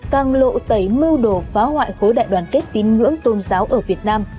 càng lộ tẩy mưu đồ phá hoại khối đại đoàn kết tín ngưỡng tôn giáo ở việt nam